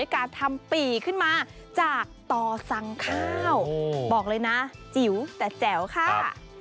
การทำปี่ขึ้นมาจากต่อสั่งข้าวบอกเลยนะจิ๋วแต่แจ๋วค่ะ